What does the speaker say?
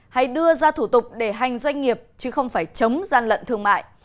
hay đưa ra thủ tục để hành doanh nghiệp chứ không phải chống gian lận thương mại